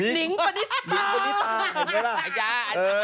นิงปณิตา